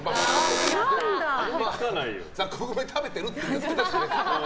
雑穀米食べてるって言ってたし。